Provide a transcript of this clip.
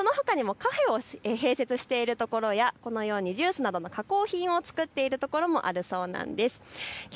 そのほかにもカフェを併設しているところや、このようにジュースなどの加工品を作っているところもあるそうなんです。